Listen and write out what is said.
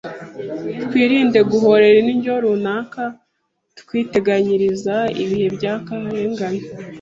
Twirinde guhorera indyo runaka twiteganyiriza ibihe by’akarengane —